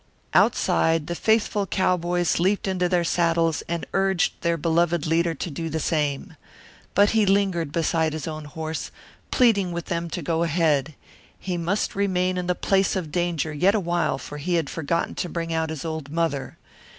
Outside, the faithful cowboys leaped into their saddles and urged their beloved leader to do the same. But he lingered beside his own horse, pleading with them to go ahead. He must remain in the place of danger yet awhile for he had forgotten to bring out his old mother.